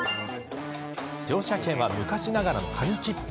乗車券は、昔ながらの紙切符。